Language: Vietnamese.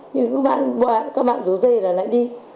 nhưng các bạn rủ dây là lại đi